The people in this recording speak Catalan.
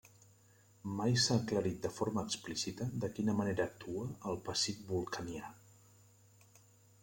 Mai s'ha aclarit de forma explícita de quina manera actua el pessic vulcanià.